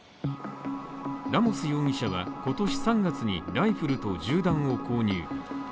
ラモス容疑者は今年３月にライフルと銃弾を購入。